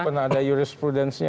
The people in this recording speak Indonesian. pernah ada jurisprudensinya